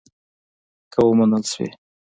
که ومنل شوې.